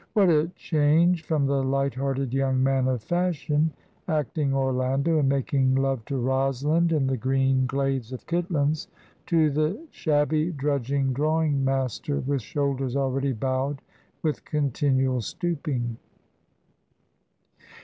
What a change from the light hearted young man of fashion, acting Orlando and making love to Rosalind in the green glades of Kitlands, to the shabby, drudging drawing master, with shoulders already bowed with continual stooping.